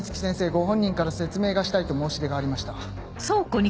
ご本人から説明がしたいと申し出がありました。